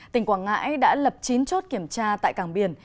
tỉnh quảng ngãi đã lập chín chốt kiểm tra tại cảng biển